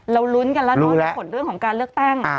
เราลุ้นกันแล้วแล้วมีผลเรื่องของการเลือกตั้ง